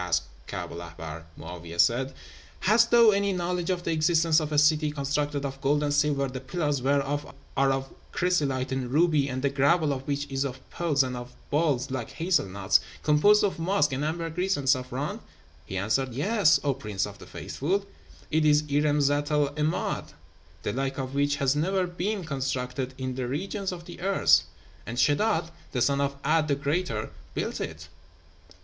asked Kaab el Ahbár. Mo'áwiyeh said, 'Hast thou any knowledge of the existence of a city constructed of gold and silver, the pillars whereof are of chrysolite and ruby, and the gravel of which is of pearls, and of balls like hazel nuts, composed of musk and ambergris and saffron?' He answered, 'Yes, O Prince of the Faithful! It is Irem Zat el 'Emád, the like of which hath never been constructed in the regions of the earth; and Sheddád, the son of 'A'd the Greater, built it.'